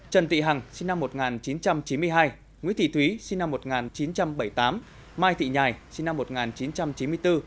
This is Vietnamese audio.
trần thị hằng sinh năm một nghìn chín trăm chín mươi hai nguyễn thị thúy sinh năm một nghìn chín trăm bảy mươi tám mai thị nhài sinh năm một nghìn chín trăm chín mươi bốn